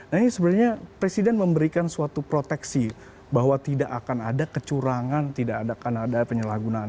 nah ini sebenarnya presiden memberikan suatu proteksi bahwa tidak akan ada kecurangan tidak ada penyalahgunaan